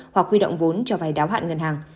hoặc huy động vốn cho vay đáo hạn ngân hàng